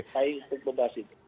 saya untuk membahas itu